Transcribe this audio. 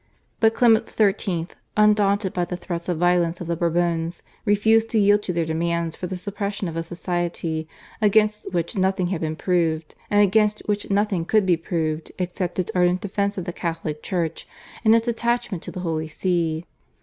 But Clement XIII., undaunted by the threats of violence of the Bourbons, refused to yield to their demands for the suppression of a Society, against which nothing had been proved, and against which nothing could be proved except its ardent defence of the Catholic Church and its attachment to the Holy See.